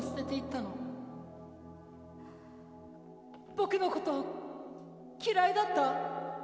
僕のこと嫌いだった？